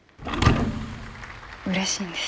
うれしいんです